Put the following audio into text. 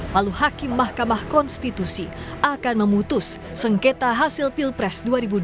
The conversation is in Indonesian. lalu hakim mahkamah konstitusi akan memutus sengketa hasil pilpres dua ribu dua puluh